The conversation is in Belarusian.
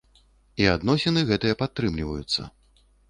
І адносіны гэтыя падтрымліваюцца.